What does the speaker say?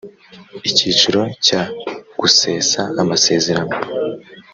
icyiciro cya gusesa amasezerano